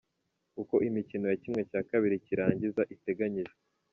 Uko imikino ya ½ cy’irangiza iteganyijwe.